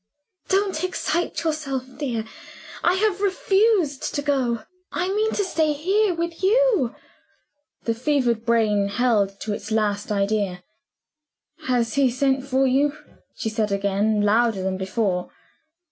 "Don't excite yourself, dear! I have refused to go; I mean to stay here with you." The fevered brain held to its last idea. "Has he sent for you?" she said again, louder than before.